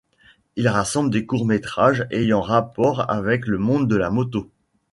Il rassemble des courts métrages ayant rapport avec le monde de la moto.